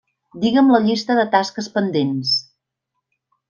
Digue'm la llista de tasques pendents.